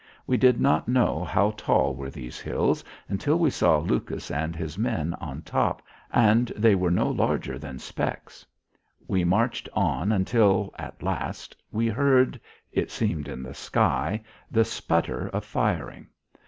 We did not know how tall were these hills until we saw Lucas and his men on top, and they were no larger than specks. We marched on until, at last, we heard it seemed in the sky the sputter of firing.